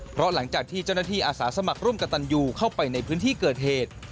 เพราะหลังจากที่เจ้าหน้าที่อาสาสมัครร่วมกับตันยูเข้าไปในพื้นที่เกิดเหตุ